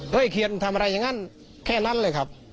เคียนทำอะไรอย่างนั้นแค่นั้นเลยครับ